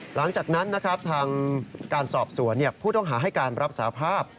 หลังจากนั้นนะครับทางการสอบสวนผู้ต้องหาให้การรับสาภาพ